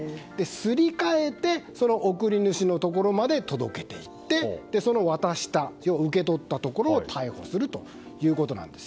すり替えて送り主のところまで届けていってその渡した、受け取ったところを逮捕するということなんです。